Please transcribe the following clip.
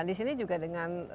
di sini juga dengan